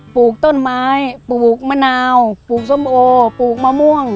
ปลูกต้นไม้ปลูกมะนาวปลูกส้มโอปลูกมะม่วง